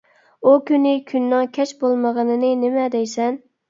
ئۇ كۈنى كۈننىڭ كەچ بولمىغىنىنى نېمە دەيسەن.